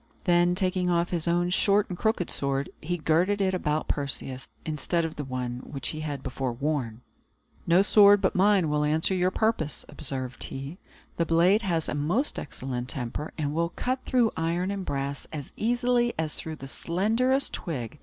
Then, taking off his own short and crooked sword, he girded it about Perseus, instead of the one which he had before worn. "No sword but mine will answer your purpose," observed he; "the blade has a most excellent temper, and will cut through iron and brass as easily as through the slenderest twig.